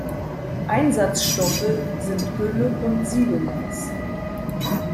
Einsatzstoffe sind Gülle und Silomais.